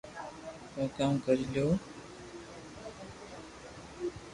ڪو ڪاو ڪري ليو